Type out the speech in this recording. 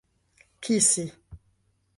kisi